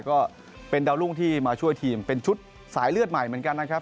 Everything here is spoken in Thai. ก็เป็นดาวรุ่งที่มาช่วยทีมเป็นชุดสายเลือดใหม่เหมือนกันนะครับ